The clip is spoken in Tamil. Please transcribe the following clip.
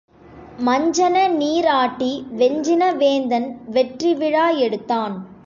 மஞ்சனநீர் ஆட்டி வெஞ்சின வேந்தன் வெற்றி விழா எடுத்தான்.